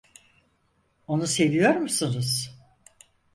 Onu seviyor musunuz?